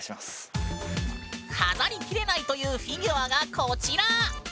飾りきれないというフィギュアがこちら！